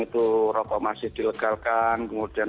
itu rokok masih dilegalkan kemudian